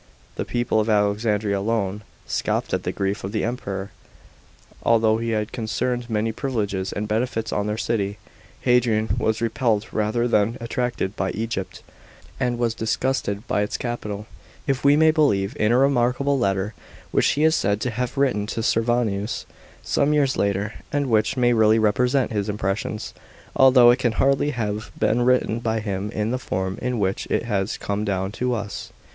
The people of Alexandria alone scoffed at the grief of the Emperor, although he had conferred many privileges and benefits on their city. Hadrian was repelled rather than attracted by Egypt,* and was disgusted by its capital, if we may believe in a remarkable letter which he is said to have written to Servianus some years later, and which may really represent his impressions, although it can hardly have been written by him in the form in which it has come down to us.